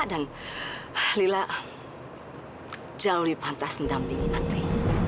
dan lila jauhi pantas mendampingi andri